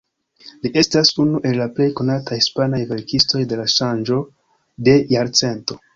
Li estas unu el la plej konataj hispanaj verkistoj de la ŝanĝo de jarcento.